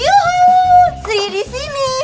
yuhuu sri di sini